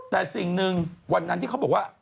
แต่สิ่งหนึ่งวันนั้นที่เขาบอกว่า